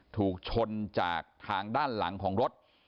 ถูกชนจากทางด้านหลังของรถ